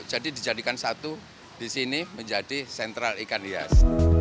jadi dijadikan satu di sini menjadi sentral ikan hias